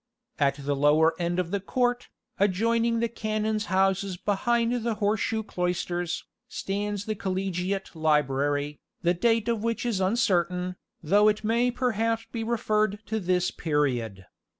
At the lower end of the court, adjoining the canons' houses behind the Horse shoe Cloisters, stands the Collegiate Library, the date of which is uncertain, though it may perhaps be referred to this period.